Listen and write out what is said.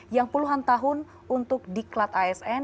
yang puluhan tahun untuk diklat asn